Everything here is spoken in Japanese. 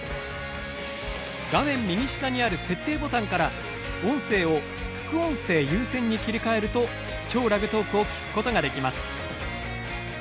画面右下にある設定ボタンから音声を副音声優先に切り替えると超ラグトークを聞くことができます。